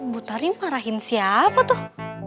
bu tarim parahin siapa tuh